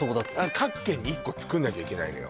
各県に１個つくんなきゃいけないのよ